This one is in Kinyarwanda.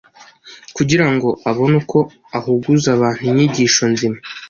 kugira ngo abone uko ahuguza abantu inyigisho nzima